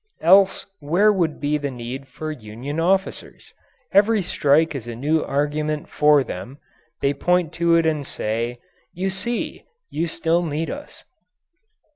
Else where would be the need for union officers? Every strike is a new argument for them; they point to it and say, "You see! You still need us."